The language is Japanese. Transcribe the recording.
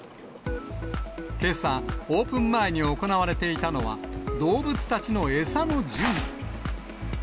けさ、オープン前に行われていたのは、動物たちの餌の準備。